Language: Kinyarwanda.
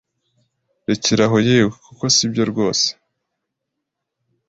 Rekeraho yewe kuko sibyo rwose